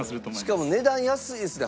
しかも値段安いですね。